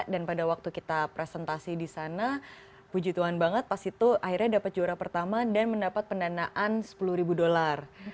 dan pada waktu kita presentasi di sana puji tuhan banget pas itu akhirnya dapat juara pertama dan mendapat pendanaan sepuluh ribu dolar